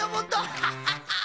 ハハハッ！